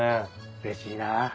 うれしいなあ。